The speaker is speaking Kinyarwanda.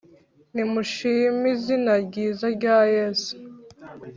Nimushim' izina ryiza rya Yesu